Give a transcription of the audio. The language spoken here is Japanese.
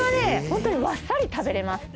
ホントにわっさり食べれます。